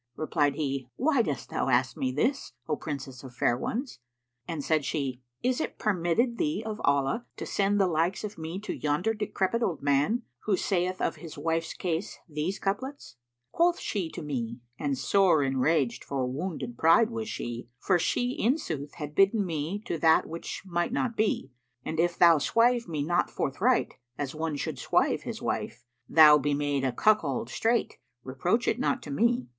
Replied he, "Why dost thou ask me this, O Princess of fair ones?"; and said she, "Is it permitted thee of Allah to sell the like of me to yonder decrepit old man, who saith of his wife's case these couplets, 'Quoth she to me,—and sore enraged for wounded pride was she, * For she in sooth had bidden me to that which might not be,— 'An if thou swive me not forthright, as one should swive his wife, * Thou be made a cuckold straight, reproach it not to me.